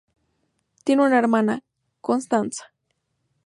Tiene una hermana, Constanza.